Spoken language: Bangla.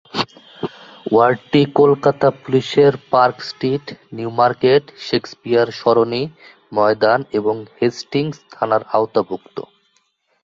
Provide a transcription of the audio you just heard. ওয়ার্ডটি কলকাতা পুলিশের Park Street, New Market, Shakespeare Sarani, Maidan এবং হেস্টিংস থানার আওতাভুক্ত।